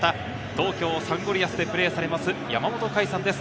東京サンゴリアスでプレーされます、山本凱さんです。